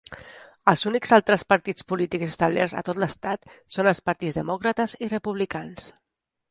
Els únics altres partits polítics establerts a tot l'estat són els partits demòcrates i republicans.